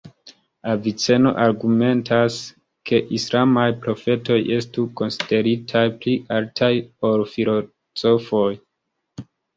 Aviceno argumentas ke islamaj profetoj estu konsideritaj pli altaj ol filozofoj.